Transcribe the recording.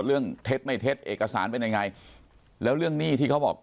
เท็จไม่เท็จเอกสารเป็นยังไงแล้วเรื่องหนี้ที่เขาบอก